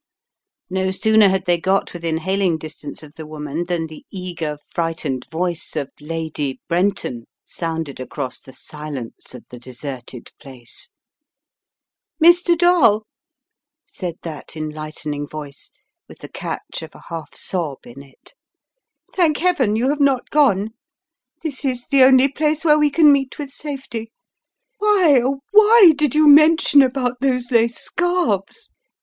No sooner had they got within hailing distance of the woman than the eager, frightened voice of Lady Brenton sounded across the silence of the deserted place. "Mr. Dall," said that enlightening voice, with the 232 The Riddle of the Purple Emperor catch of a half sob in it. " Thank Heaven you have not gone! This is the only place where we can meet with safety. Why — oh, why did you mention about those lace scarves?